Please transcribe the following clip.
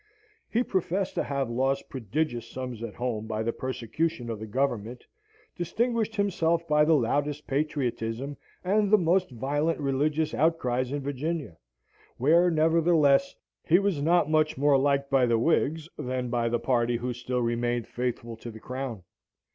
He professed to have lost prodigious sums at home by the persecution of the Government, distinguished himself by the loudest patriotism and the most violent religious outcries in Virginia; where, nevertheless, he was not much more liked by the Whigs than by the party who still remained faithful to the Crown.